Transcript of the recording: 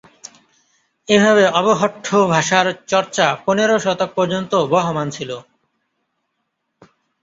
এভাবে অবহট্ঠ ভাষার চর্চা পনেরো শতক পর্যন্ত বহমান ছিল।